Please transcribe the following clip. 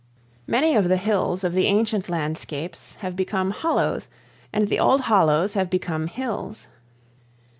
Many of the hills of the ancient landscapes have become hollows, and the old hollows have become hills.